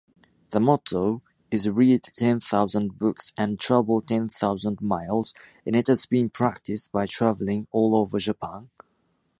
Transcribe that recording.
The motto is "read ten thousand books and travel ten thousand miles", and it has been practiced by traveling all over Japan.